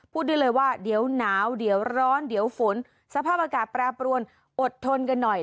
พูดได้เลยว่าเดี๋ยวหนาวเดี๋ยวร้อนเดี๋ยวฝนสภาพอากาศแปรปรวนอดทนกันหน่อย